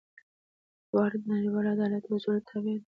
دواړه د نړیوال عدالت اصولو تابع دي.